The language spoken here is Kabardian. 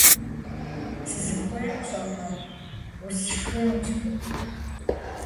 - Сызыхуейр пщӏэркъэ: усшхынущ.